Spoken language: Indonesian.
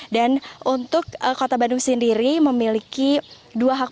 dan untuk kota bandung sendiri memiliki dua hak